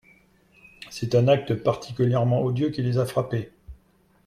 C’est un acte particulièrement odieux qui les a frappés.